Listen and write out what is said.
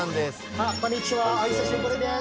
あっこんにちはお久しぶりです。